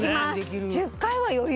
１０回は余裕。